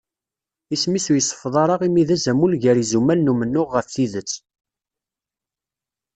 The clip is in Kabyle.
Isem-is ur iseffeḍ ara imi d azamul gar yizumal n umennuɣ ɣef tidet.